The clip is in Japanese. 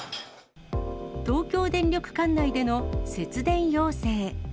東京電力管内での節電要請。